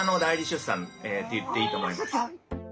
って言っていいと思います。